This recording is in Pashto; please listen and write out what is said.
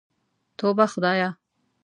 توبه خدايه.